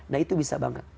nah itu bisa banget